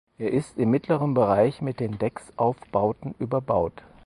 Es ist im mittleren Bereich mit den Decksaufbauten überbaut.